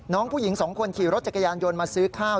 น้องผู้หญิงสองคนขี่รถจักรยานยนต์มาซื้อข้าว